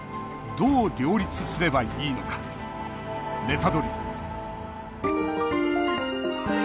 どう両立すればいいのかネタドリ！